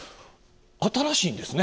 新しいんですね。